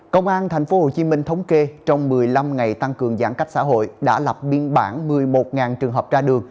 công an tp hcm thống kê trong một mươi năm ngày tăng cường giãn cách xã hội đã lập biên bản một mươi một trường hợp ra đường